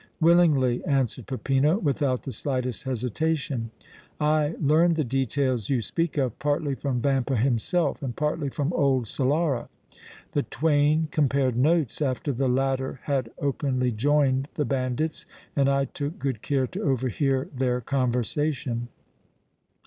"Willingly," answered Peppino, without the slightest hesitation. "I learned the details you speak of partly from Vampa himself and partly from old Solara. The twain compared notes after the latter had openly joined the bandits, and I took good care to overhear their conversation."